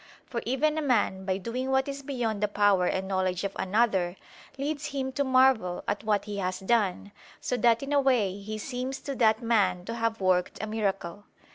For even a man by doing what is beyond the power and knowledge of another, leads him to marvel at what he has done, so that in a way he seems to that man to have worked a miracle.